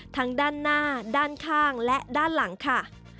ทั้งด้านหน้าด้านข้างและด้านหลังค่ะ